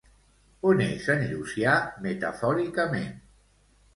On és en Llucià, metafòricament?